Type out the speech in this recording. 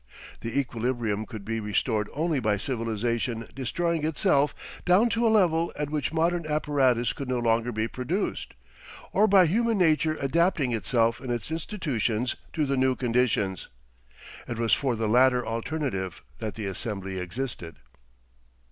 The equilibrium could be restored only by civilisation destroying itself down to a level at which modern apparatus could no longer be produced, or by human nature adapting itself in its institutions to the new conditions. It was for the latter alternative that the assembly existed.